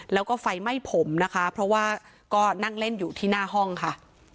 แล้วก็ไฟไหม้ผมนะคะเพราะว่าก็นั่งเล่นอยู่ที่หน้าห้องค่ะ